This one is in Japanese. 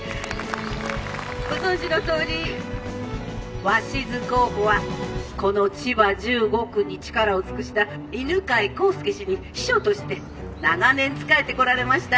ご存じのとおり鷲津候補はこの千葉１５区に力を尽くした犬飼孝介氏に秘書として長年仕えてこられました。